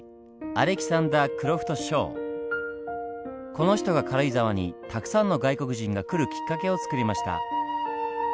この人が軽井沢にたくさんの外国人が来るきっかけをつくりました。